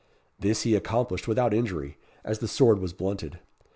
This he accomplished without injury, as the sword was blunted.